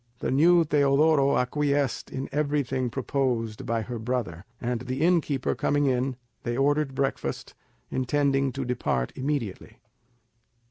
The new Teodoro acquiesced in everything proposed by her brother; and the innkeeper coming in, they ordered breakfast, intending to depart immediately.